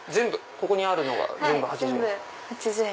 ここにあるのが全部８０円？